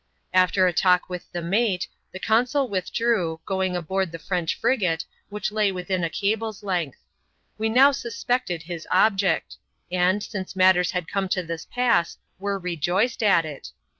After a talk with the mate, the consul withdrew, going aboard the French frigate, which lay within a cable's length. We now suspected his object ; and, since matters had come to this pass, were rejoiced at it.